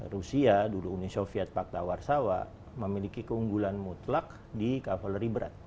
rusia dulu uni soviet pakta warsawa memiliki keunggulan mutlak di kavaleri berat